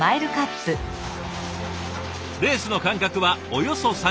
レースの間隔はおよそ３０分。